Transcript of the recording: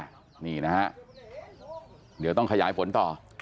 เดี๋ยวต้องขยายผลต่อ